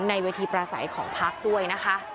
ในเวทีประสัยของพักด้วยนะคะ